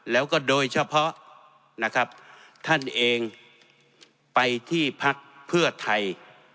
แล้วก็โดยเฉพาะนะครับท่านเองไปที่พักเพื่อไทย